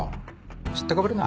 知ったかぶるな。